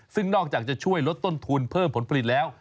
ซึ่งนอกจากจะช่วยลดต้นทุนเพิ่มผลผลิตแล้ว